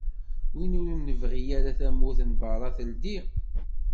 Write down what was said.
Win ur nebɣi ara tawwurt n berra teldi